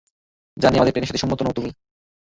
জানি আমাদের প্ল্যানের সাথে সম্মত নও তুমি।